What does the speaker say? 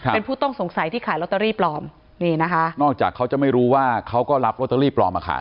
เป็นผู้ต้องสงสัยที่ขายลอตเตอรี่ปลอมนี่นะคะนอกจากเขาจะไม่รู้ว่าเขาก็รับลอตเตอรี่ปลอมมาขาย